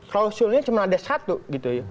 klausulnya cuma ada satu gitu ya